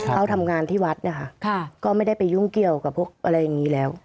เขาทำงานที่วัดนะคะก็ไม่ได้ไปยุ่งเกี่ยวกับพวกอะไรอย่างนี้แล้ว